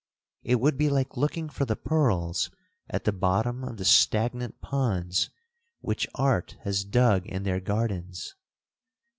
It would be like looking for the pearls at the bottom of the stagnant ponds which art has dug in their gardens.